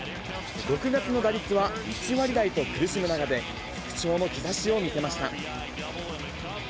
６月の打率は１割台と苦しむ中で、復調の兆しを見せました。